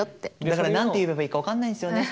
だから何て言えばいいか分かんないんすよね。